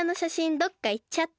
どっかいっちゃって。